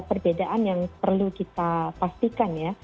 perbedaan yang perlu kita pastikan ya